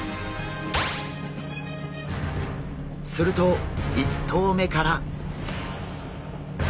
すると１投目から。